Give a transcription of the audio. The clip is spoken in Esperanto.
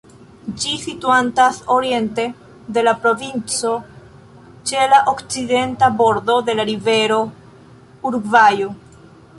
Ĝi situantas oriente de la provinco, ĉe la okcidenta bordo de la rivero Urugvajo.